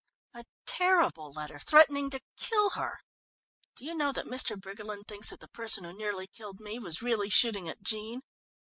"A terrible letter, threatening to kill her. Do you know that Mr. Briggerland thinks that the person who nearly killed me was really shooting at Jean."